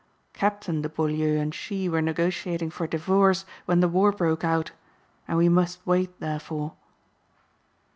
Captain de Beaulieu and she were negotiating for divorce when the war broke out and we must wait therefore."